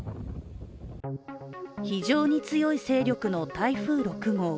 非常に強い勢力の台風６号。